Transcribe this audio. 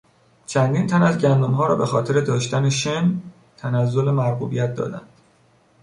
چندین تن ازگندمها را به خاطر داشتن شن تنزل مرغوبیت دادند.